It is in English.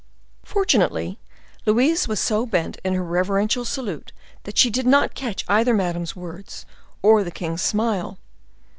Fortunately, Louise was so bent in her reverential salute, that she did not catch either Madame's words or the king's smile.